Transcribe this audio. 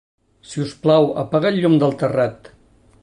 Si us plau, apaga el llum del terrat.